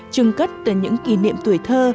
trưng cất từ những kỷ niệm tuổi thơ